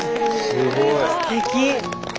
すてき！